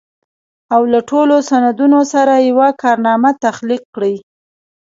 او له ټولو سندونو سره يوه کارنامه تخليق کړي.